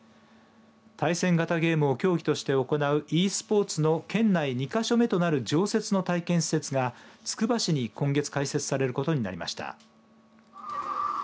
対戦型ゲームを競技として行うｅスポーツの県内２か所目となる常設の体験施設がつくば市に今月開設されることになりました。